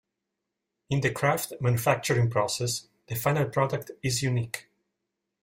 In the craft manufacturing process, the final product is unique.